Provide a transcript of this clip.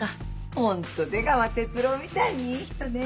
ホント出川哲朗みたいにいい人ね。